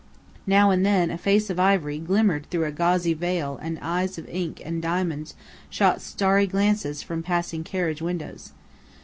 Now and then a face of ivory glimmered through a gauzy veil and eyes of ink and diamonds shot starry glances from passing carriage windows.